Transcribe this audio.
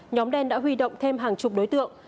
nhóm đen đã huy động thêm hàng chục đối tượng